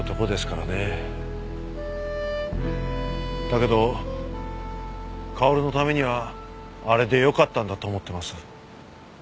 だけど薫のためにはあれでよかったんだと思ってます。